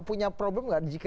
punya problem nggak jika